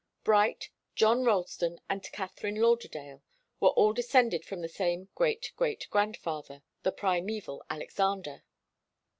Bright, John Ralston and Katharine Lauderdale were all descended from the same great great grandfather the primeval Alexander.